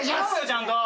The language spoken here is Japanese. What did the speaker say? ちゃんと。